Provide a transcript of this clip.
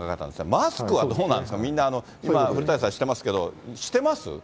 マスクはどうなんですか、みんな、今、古谷さんしてますけど、してます？